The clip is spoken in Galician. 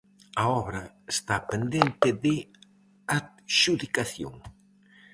A obra está pendente de adxudicación.